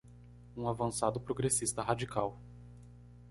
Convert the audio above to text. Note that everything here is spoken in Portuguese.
Um avançado progressista radical